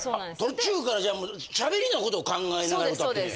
途中からじゃあもう喋りのことを考えながら歌ってんねや。